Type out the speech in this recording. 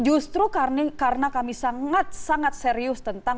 justru karena kami sangat sangat serius tentang